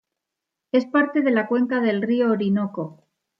Es parte de la cuenca del río Orinoco.